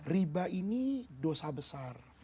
riba ini dosa besar